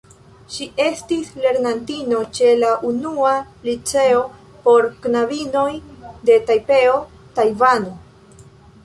Ŝi estis lernantino ĉe la Unua Liceo por Knabinoj de Tajpeo, Tajvano.